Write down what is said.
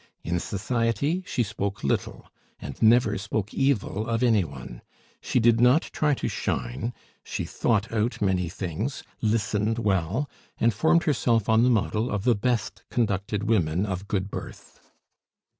In society she spoke little, and never spoke evil of any one; she did not try to shine; she thought out many things, listened well, and formed herself on the model of the best conducted women of good birth.